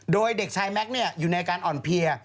โดยเด็กชายแม็กซ์อยู่ในอาการอ่อนเพลีย